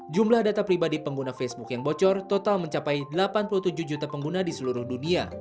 jumlah data pribadi pengguna facebook yang bocor total mencapai delapan puluh tujuh juta pengguna di seluruh dunia